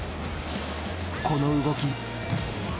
この動き。